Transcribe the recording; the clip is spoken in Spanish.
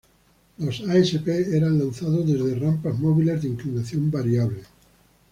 Los Asp eran lanzados desde rampas móviles de inclinación variable.